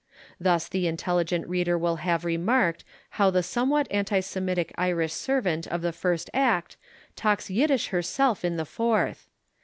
Thus the intelligent reader will have remarked how the somewhat anti Semitic Irish servant of the first act talks Yiddish herself in the fourth.